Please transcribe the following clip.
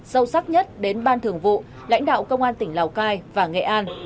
sâu sắc nhất đến ban thường vụ lãnh đạo công an tỉnh lào cai và nghệ an